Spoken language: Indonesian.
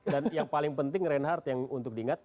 dan yang paling penting reinhardt yang untuk diingat